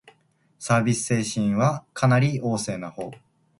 サービス精神はかなり旺盛なほう